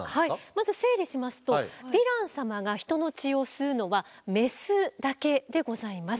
まず整理しますとヴィラン様が人の血を吸うのはメスだけでございます。